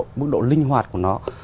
cái mức độ linh hoạt của nó